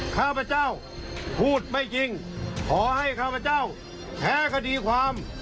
ข้าพเจ้าพูดไม่จริงขอให้ข้าพเจ้าแพ้คดีความ